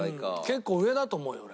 結構上だと思うよ俺。